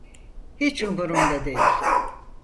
Hiç umurumda değil.